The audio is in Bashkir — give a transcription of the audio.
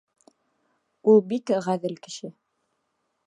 Ул бик ғәҙел кеше.